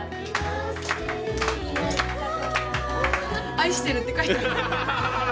愛してるって書いてある。